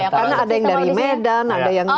karena ada yang dari medan ada yang dari